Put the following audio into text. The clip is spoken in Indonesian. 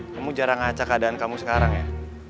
kamu jarang ngacak keadaan kamu sekarang ya